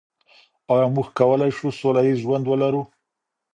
آیا موږ کولای شو سوله ییز ژوند ولرو؟